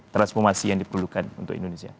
transformasi yang diperlukan untuk indonesia